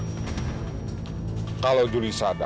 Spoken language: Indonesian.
pergi ada orang mengikuti saja